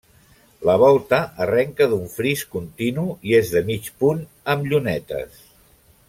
La volta arrenca d'un fris continu i és de mig punt amb llunetes.